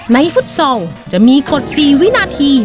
ฟุตซอลจะมีกฎ๔วินาที